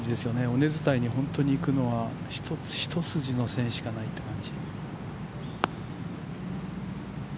尾根伝いに本当に行くのはひと筋の線しかないという感じ。